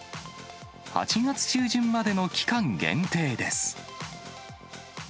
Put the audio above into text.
８月中旬までの期間限定です。